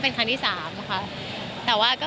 คุณก็ไม่รู้อาจจะถืออะไรอย่างนี้